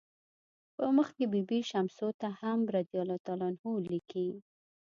په مخ کې بي بي شمسو ته هم "رضی الله عنه" لیکي.